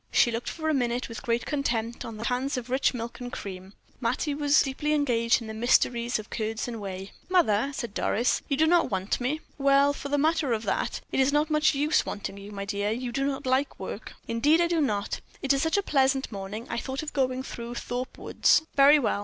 She looked for a minute with great contempt on the cans of rich milk and cream. Mattie was deeply engaged in the mysteries of curds and whey. "Mother," said Doris, "you do not want me?" "Well, for the matter of that, it is not much use wanting you, my dear; you do not like work." "Indeed I do not. It is such a pleasant morning, I thought of going through Thorpe Woods." "Very well.